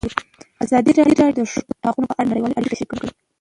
ازادي راډیو د د ښځو حقونه په اړه نړیوالې اړیکې تشریح کړي.